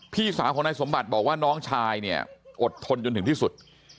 พี่สาวของนายสมบัติบอกว่าน้องชายเนี่ยอดทนจนถึงที่สุด